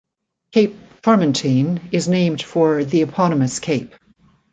Cape Tormentine is named for the eponymous cape.